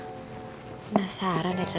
penasaran ya tariq